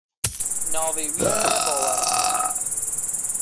Navê wî ne Bawer e.